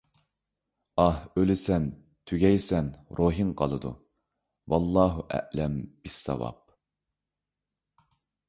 ئاھ، ئۆلىسەن، تۈگەيسەن، روھىڭ قالىدۇ. ۋاللاھۇ ئەئلەم بىسساۋاب!